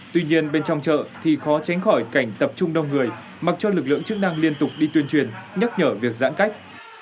tuy nhiên bên trong chợ thì khó tránh khỏi cảnh tập trung đông người mặc cho lực lượng chức năng liên tục đi tuyên truyền nhắc nhở việc giãn cách